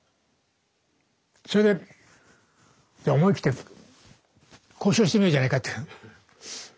それでじゃ思い切って交渉してみようじゃないかと。